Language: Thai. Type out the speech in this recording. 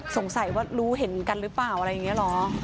สงสัยว่ารู้เห็นกันหรือเปล่าอะไรอย่างนี้เหรอ